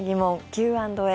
Ｑ＆Ａ。